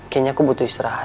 kayaknya aku butuh istirahat